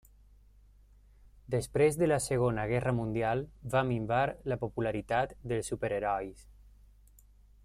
Després de la Segona Guerra Mundial, va minvar la popularitat dels superherois.